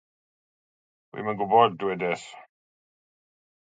‘Dydw i ddim yn gwybod,' dywedais.